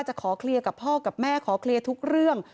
จะขอเคลียร์กับพ่อกับแม่ขอเคลียร์ทุกเรื่อง